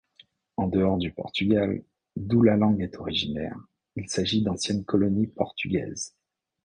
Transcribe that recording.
En dehors du Portugal, d'où la langue est originaire, il s'agit d'anciennes colonies portugaises.